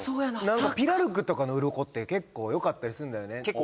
何かピラルクとかのウロコって結構よかったりすんだよね